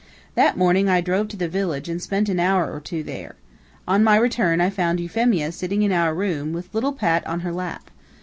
That morning I drove to the village and spent an hour or two there. On my return I found Euphemia sitting in our room, with little Pat on her lap.